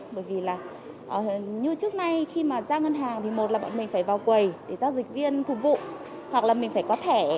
bởi vì là như trước nay khi mà ra ngân hàng thì một là bọn mình phải vào quầy để giao dịch viên phục vụ hoặc là mình phải có thẻ